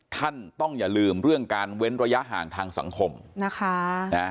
ท่านต้องอย่าลืมเรื่องการเว้นระยะห่างทางสังคมนะคะ